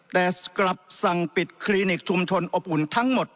แต่กลับสั่งปิดคลินิกชุมชนอบอุ่นทั้งหมด